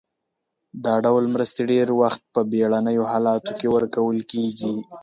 دا ډول مرستې ډیری وخت په بیړنیو حالاتو کې ورکول کیږي.